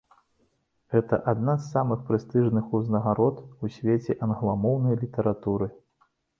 Гэта адна з самых прэстыжных узнагарод у свеце англамоўнай літаратуры.